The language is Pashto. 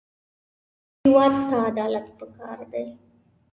هېواد ته عدالت پکار دی